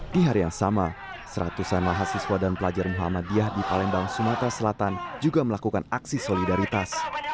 di hari yang sama seratusan mahasiswa dan pelajar muhammadiyah di palembang sumatera selatan juga melakukan aksi solidaritas